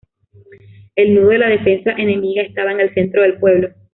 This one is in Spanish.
El nudo de la defensa enemiga estaba en el centro del pueblo.